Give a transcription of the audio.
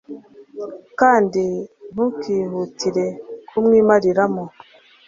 kandi ntukihutire kumwimariramo